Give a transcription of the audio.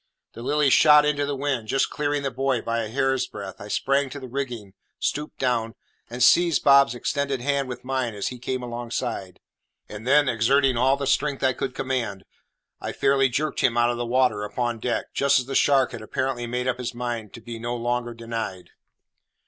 The Lily shot into the wind, just clearing the buoy by a hair's breadth. I sprang to the rigging, stooped down, and seized Bob's extended hand with mine as he came alongside, and then, exerting all the strength I could command, I fairly jerked him out of the water upon deck, just as the shark had apparently made up his mind to be no longer denied.